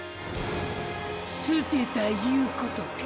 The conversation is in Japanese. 捨てたいうことか。